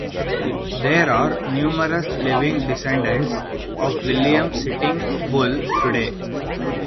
There are numerous living descendants of William Sitting Bull today.